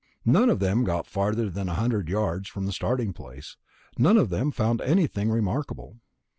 None of them got farther than a hundred yards from the starting place. None of them found anything remarkable.